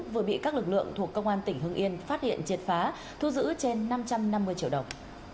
vừa bị các lực lượng thuộc công an tỉnh hưng yên phát hiện triệt phá thu giữ trên năm trăm năm mươi triệu đồng